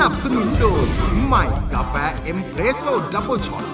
สนุนโดยใหม่กาแฟเอ็มเรสโซนดับเบอร์ช็อต